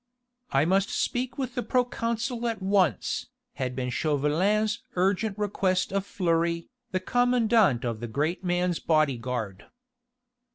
"I must speak with the proconsul at once," had been Chauvelin's urgent request of Fleury, the commandant of the great man's bodyguard.